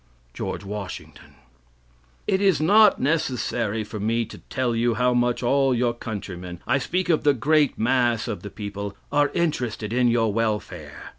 George Washington" "It is not necessary for me to tell you how much all your countrymen I speak of the great mass of the people are interested in your welfare.